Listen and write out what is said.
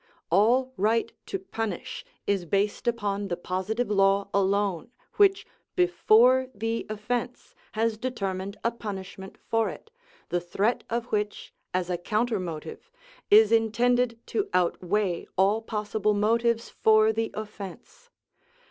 All right to punish is based upon the positive law alone, which before the offence has determined a punishment for it, the threat of which, as a counter motive, is intended to outweigh all possible motives for the offence.